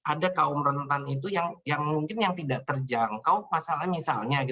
ada kaum rentan itu yang mungkin yang tidak terjangkau masalahnya misalnya